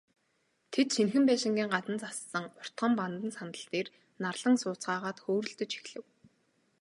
Тэд, шинэхэн байшингийн гадна зассан уртхан бандан сандал дээр нарлан сууцгаагаад хөөрөлдөж эхлэв.